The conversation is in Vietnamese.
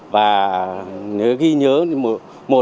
và ghi nhớ